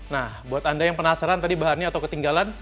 nah buat anda yang penasaran tadi bahannya atau ketinggalan